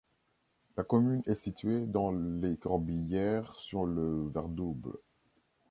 La commune est située dans les Corbières sur le Verdouble.